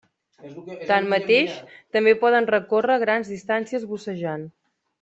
Tanmateix, també poden recórrer grans distàncies bussejant.